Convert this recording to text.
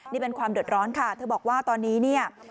นี่เป็นความเดือดร้อนค่ะเธอบอกว่าตอนนี้เนี่ย